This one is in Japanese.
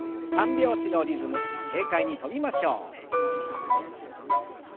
３拍子のリズム軽快に跳びましょう。